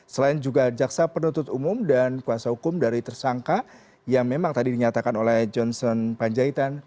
selain juga jaksa penuntut umum dan kuasa hukum dari tersangka yang memang tadi dinyatakan oleh johnson panjaitan